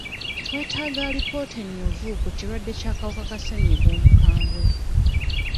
Twetaaga alipoota ennyuvu ku kirwadde Ky'akawuka ka ssenyiga omukambwe.